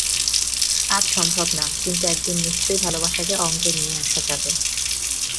আজ সম্ভব না, কিন্তু একদিন নিশ্চয়ই ভালবাসাকে অঙ্কে নিয়ে আসা যাবে।